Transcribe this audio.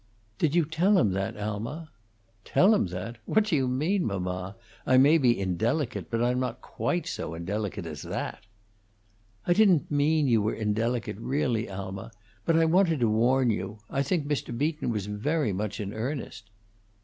"Did you tell him that, Alma?" "Tell him that! What do you mean, mamma? I may be indelicate, but I'm not quite so indelicate as that." "I didn't mean you were indelicate, really, Alma, but I wanted to warn you. I think Mr. Beaton was very much in earnest."